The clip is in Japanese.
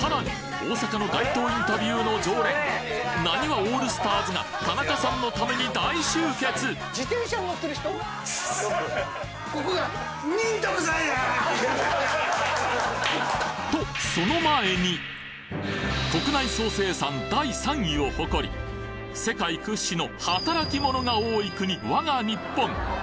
大阪の街頭インタビューの常連なにわオールスターズが田中さんのために大集結！を誇り世界屈指の働き者が多い国我が日本